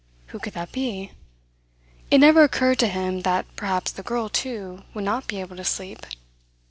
Who could that be? It never occurred to him that perhaps the girl, too, would not be able to sleep.